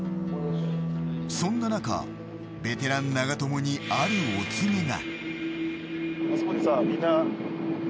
そんな中、ベテラン長友にあるお告げが。